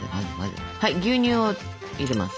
はい牛乳を入れます。